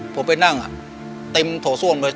ผมไปนั่งเต็มโถส้วมเลย